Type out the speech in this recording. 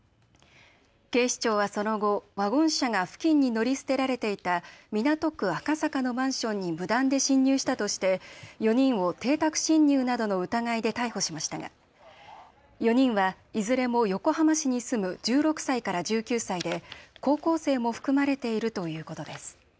警視庁はその後、ワゴン車が付近に乗り捨てられていた港区赤坂のマンションに無断で侵入したとして４人を邸宅侵入などの疑いで逮捕しましたが４人はいずれも横浜市に住む１６歳から１９歳で高校生も含まれているということです。